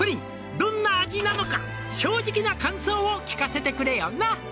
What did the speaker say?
「どんな味なのか正直な感想を聞かせてくれよな」